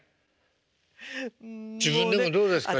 自分でもどうですか？